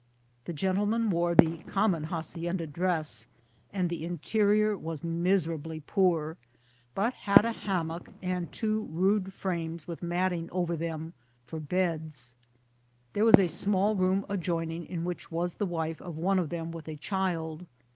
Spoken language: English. The gentlemen wore the common hacienda dress, and the interior was miserably poor, but had a hammock, and two rude frames with matting over them for beds. There was a small room adjoining, in which was the wife of one of them with a child.